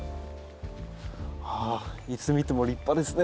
ああいつ見ても立派ですね。